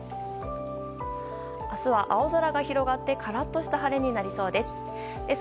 明日は青空が広がってカラッとした晴れになりそうです。